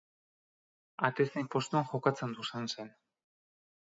Atezain postuan jokatzen du Sansen.